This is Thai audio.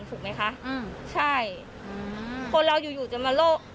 ถูกมั้ยคะใช่คนเราอยู่จะมาโลก